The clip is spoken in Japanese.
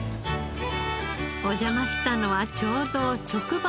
お邪魔したのはちょうど直売の日。